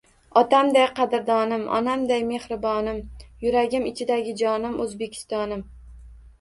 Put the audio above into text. Otamday qadrdonim, onamday mehribonim, yuragim ichidagi jonim — O‘zbekistonim!